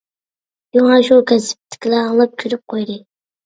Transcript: شۇڭا شۇ كەسىپتىكىلەر ئاڭلاپ كۈلۈپ قويدى.